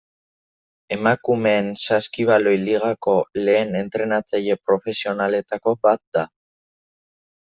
Emakumeen saskibaloi ligako lehen entrenatzaile profesionaletako bat da.